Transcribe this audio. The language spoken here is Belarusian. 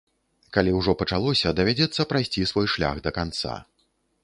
Калі ўжо пачалося, давядзецца прайсці свой шлях да канца.